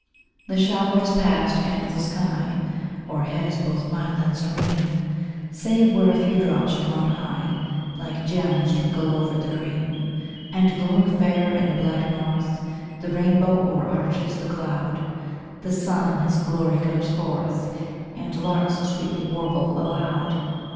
The shower is past, and the sky O'erhead is both mild and serene, Save where a few drops from on high, Like gems, twinkle over the green: And glowing fair, in the black north, The rainbow o'erarches the cloud; The sun in his glory comes forth, And larks sweetly warble aloud.